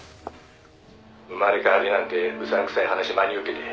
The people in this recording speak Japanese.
「生まれ変わりなんてうさんくさい話真に受けて」